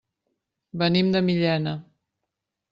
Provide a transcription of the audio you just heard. Venim de Millena.